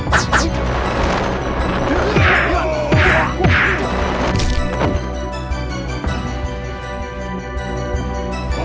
aku tidak apa apa bopo